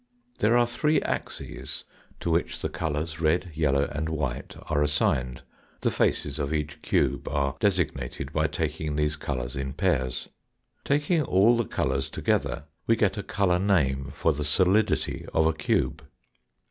There are three axes to which the colours red, yellow, and white, are assigned, the faces of each cube are designated Taking all the colours Fig. 86 by taking these colours in pairs, together we get a colour name for the solidity of a cube.